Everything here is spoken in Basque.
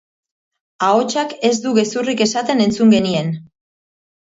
Ahotsak ez du gezurrik esaten entzun genien.